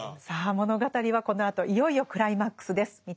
さあ物語はこのあといよいよクライマックスです。